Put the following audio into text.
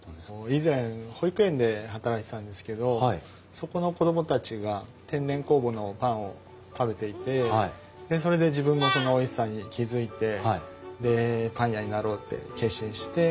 以前保育園で働いてたんですけどそこの子供たちが天然酵母のパンを食べていてそれで自分もそのおいしさに気付いてでパン屋になろうって決心して。